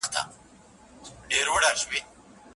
نور اېران لره په توغ په نغاره ځم